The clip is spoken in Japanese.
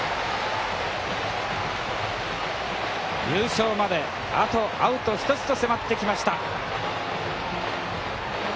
優勝まであとアウト一つと迫ってきました。